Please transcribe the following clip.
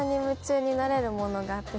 があって。